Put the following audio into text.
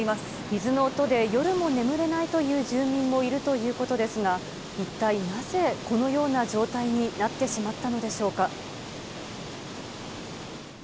水の音で夜も眠れないという住民もいるということですが、一体なぜ、このような状態になってしまったのでしょうか。